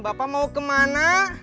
bapak mau kemana